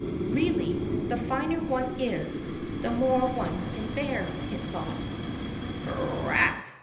"Really, the finer one is, the more one can bear," it thought. "C r r rack!"